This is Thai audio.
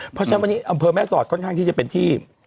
เพราะฉะนั้นวันนี้อำเภอแม่สอดค่อนข้างที่จะเป็นที่